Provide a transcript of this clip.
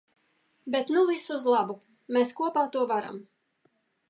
Bet nu viss uz labu. Mēs kopā to varam.